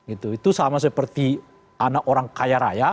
itu sama seperti anak orang kaya raya